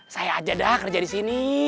saya aja dah kerja di sini